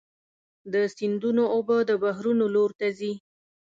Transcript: د سیندونو اوبه د بحرونو لور ته ځي.